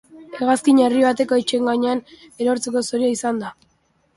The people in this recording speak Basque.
Hegazkina herri bateko etxeen gainean erortzeko zorian izan da.